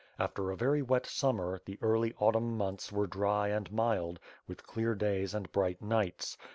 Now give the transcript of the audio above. After a very wet summer, the early autumn months were dry and mild, with clear days and bright nights.